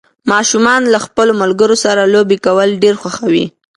ماشومان له خپلو ملګرو سره لوبې کول ډېر خوښوي